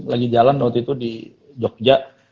kalau gak salah ada film lagi jalan waktu itu di jogja